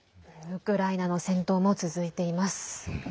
ウクライナの戦闘も続いています。